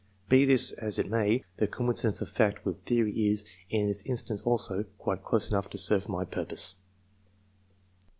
Be this as it may, the coincidence of fact with theory is, in this instance also, quite close enough serve my purpose.